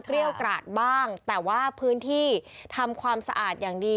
เรียกกราดบ้างแต่ว่าพื้นที่ทำความสะอาดอย่างดี